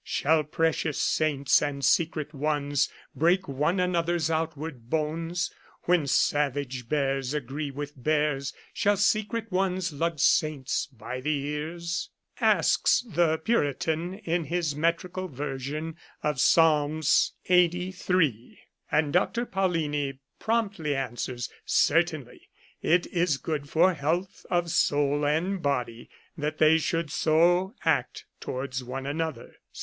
Shall precious saints and secret ones, Break one another's outward bones ? When savage bears agree with bears. Shall secret ones lug saints by the ears ? 119 Curiosities of Olden Times asks the Puritan in his metrical version of Psalm Ixxxiii, and Dr. Paullini promptly answers :" Cer tainly, It is good for health of soul and body that they should so act towards one another."